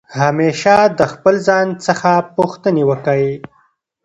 همېشه د خپل ځان څخه پوښتني وکئ!